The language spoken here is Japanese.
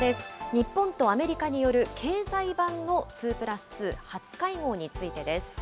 日本とアメリカによる経済版の２プラス２、初会合についてです。